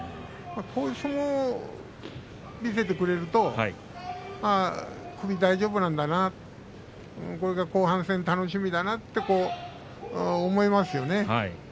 こういう相撲を見せてくれると首大丈夫なんだな後半戦楽しみだなと思いますよね。